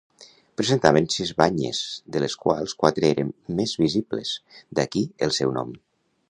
Presentaven sis banyes, de les quals quatre eren més visibles, d'aquí el seu nom.